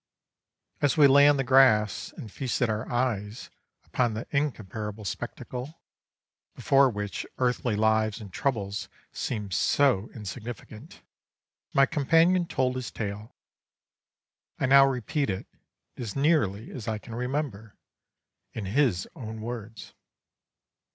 As we lay on the grass and feasted our eyes upon the incomparable spectacle, before which earthly lives and troubles seemed so insignificant, my companion told his tale. I now repeat it, as nearly as I can remember, in his own words.